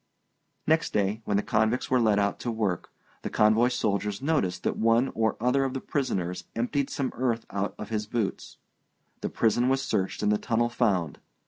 Next day, when the convicts were led out to work, the convoy soldiers noticed that one or other of the prisoners emptied some earth out of his boots. The prison was searched and the tunnel found.